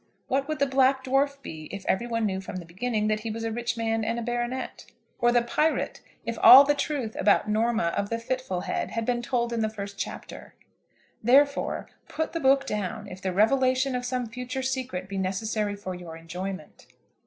What would the 'Black Dwarf' be if every one knew from the beginning that he was a rich man and a baronet? or 'The Pirate,' if all the truth about Norna of the Fitful head had been told in the first chapter? Therefore, put the book down if the revelation of some future secret be necessary for your enjoyment.